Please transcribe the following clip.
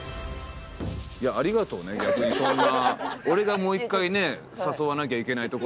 いやありがとうね逆にそんな。